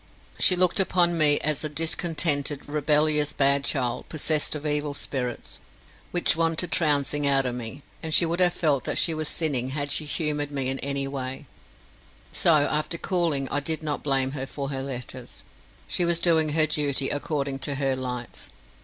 She looked upon me as a discontented, rebellious, bad child, possessed of evil spirits, which wanted trouncing out of me; and she would have felt that she was sinning had she humoured me in any way, so after cooling I did not blame her for her letters. She was doing her duty according to her lights.